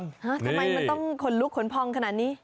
ทำไมมันต้องขนลุกขนพองขนาดนี้